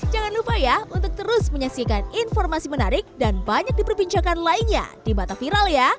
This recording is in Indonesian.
jangan lupa ya untuk terus menyaksikan informasi menarik dan banyak diperbincangkan lainnya di mata viral ya